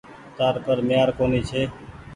تآر پر ميهآر ڪونيٚ ڇي۔